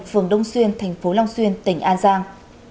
phường đông xuyên tp long xuyên tỉnh an giang